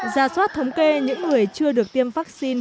ra soát thống kê những người chưa được tiêm vaccine